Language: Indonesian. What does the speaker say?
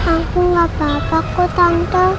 aku gak apa apa kok tante